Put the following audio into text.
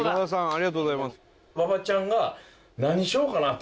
ありがとうございます」